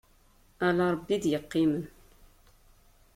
Ala Ṛebbi i d-yeqqimen.